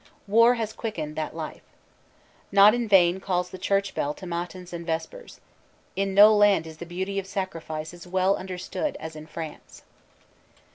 War has quickened that life. Not in vain calls the church bell to matins and vespers. In no land is the beauty of sacrifice as well understood as in France.